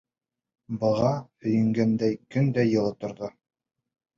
Быға һөйөнгәндәй, көн дә йылы торҙо.